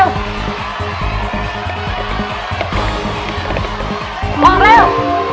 วางเร็ว